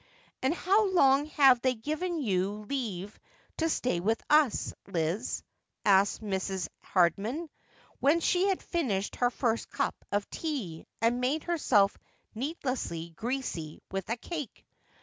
'And how long have they given you leaf to stay with us, Liz?' asked Mrs. Hardman, when she had finished her first cup of tea, and made herself needlessly greasy with cake.